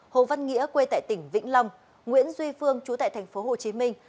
hồ văn nghĩa quê tại tỉnh vĩnh long nguyễn duy phương chú tại thành phố hồ chí minh